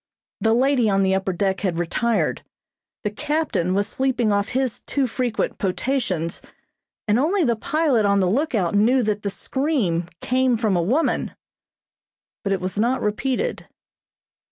The lady on the upper deck had retired. The captain was sleeping off his too frequent potations, and only the pilot on the lookout knew that the scream came from a woman; but it was not repeated.